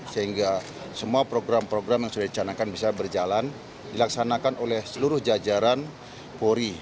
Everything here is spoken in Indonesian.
sehingga semua program program yang sudah dicanakan bisa berjalan dilaksanakan oleh seluruh jajaran polri